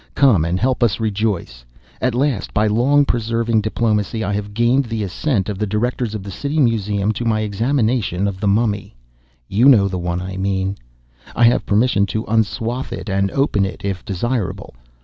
Come and help us to rejoice. At last, by long persevering diplomacy, I have gained the assent of the Directors of the City Museum, to my examination of the Mummy—you know the one I mean. I have permission to unswathe it and open it, if desirable.